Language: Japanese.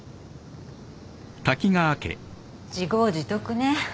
自業自得ね。